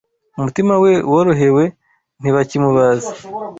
umutima we worohewe ntibakimubaze